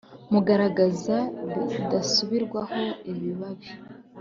Mugaragaza bidasubirwaho ibibabi